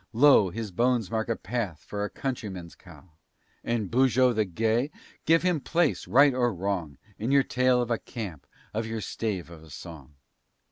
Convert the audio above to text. Lo! his bones mark a path for a countryman's cow. And Beaujeu the Gay? Give him place, right or wrong, In your tale of a camp, or your stave of a song."